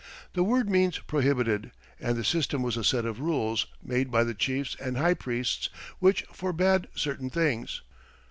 The word means prohibited, and the system was a set of rules, made by the chiefs and high priests, which forbade certain things.